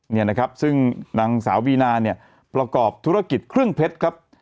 นี่นะครับซึ่งนางสาววีนาเนี่ยประกอบธุรกิจเครื่องเพชรครับ